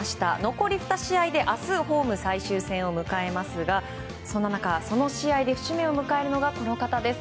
残り２試合で明日ホーム最終戦を迎えますがそんな中、その試合で節目を迎えるのがこの方です。